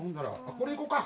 これいこうか。